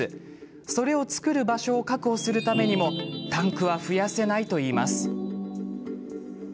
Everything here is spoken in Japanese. それを造る場所を確保するためにもタンクは、増やせないといいます。